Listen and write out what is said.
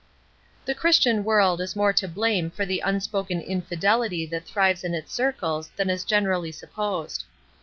The Christian world is more to blame for the unspoken infidelity that thrives in its circles than is generally supposed.